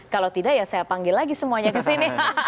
kalau tidak ya saya panggil lagi semuanya kesini